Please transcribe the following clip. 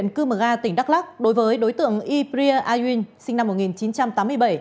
công an huyện cư mờ ga tỉnh đắk lắc đối với đối tượng ybria ayun sinh năm một nghìn chín trăm tám mươi bảy